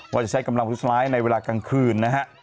ว่าจะใช้กำลังพุษร้ายในเวลากลางคืนนะฮะ